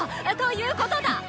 いうことだ！